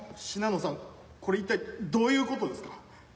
信濃さんこれ一体どういうことですか？